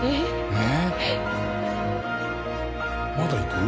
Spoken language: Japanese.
まだいく？